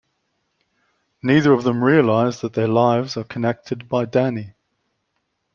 Neither of them realize that their lives are connected by Danny.